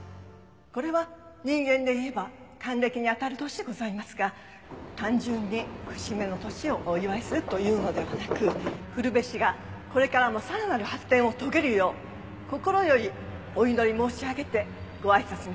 これは人間で言えば還暦にあたる年でございますが単純に節目の年をお祝いするというのではなく古辺市がこれからもさらなる発展を遂げるよう心よりお祈り申し上げてご挨拶に代えさせて頂きます。